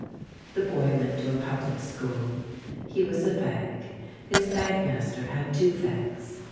The boy went to a public school. He was a fag. His fag master had two fags.